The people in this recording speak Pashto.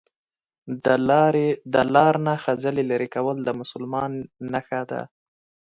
دا لار نه خځلي لري کول د مسلمان نښانه ده